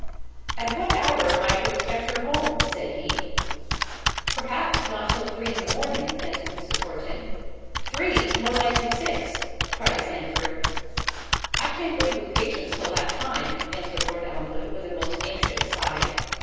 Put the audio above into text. "At what hour am I to expect her home?" said he. "Perhaps not till three in the morning," answered Mrs. Horton. "Three! more likely six," cried Sandford. "I can't wait with patience till that time," answered Lord Elmwood, with a most anxious sigh.